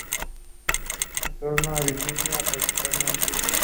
Retorna a Virginia a practicar medicina.